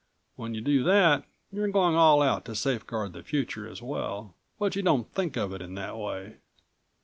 When you do that you're going all out to safeguard the future as well, but you don't think of it in that way.